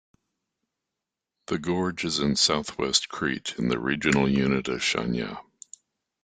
The gorge is in southwest Crete in the regional unit of Chania.